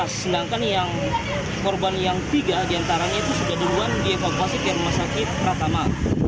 sedangkan yang korban yang tiga diantaranya itu sudah duluan dievakuasi ke rumah sakit pratama